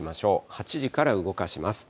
８時から動かします。